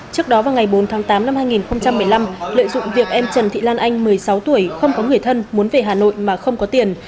trước đó vào ngày bốn tháng tám năm hai nghìn một mươi năm lợi dụng việc em trần thị lan anh một mươi sáu tuổi không có người thân muốn về hà nội mà không có tiền